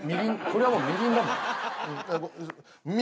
これはもうみりんだもん。